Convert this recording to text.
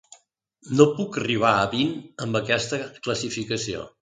No puc arribar a vint amb aquesta classificació.